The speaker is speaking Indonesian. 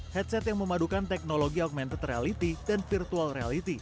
headset yang memadukan teknologi augmented reality dan virtual reality